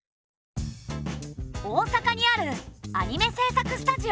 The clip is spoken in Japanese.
大阪にあるアニメ制作スタジオ。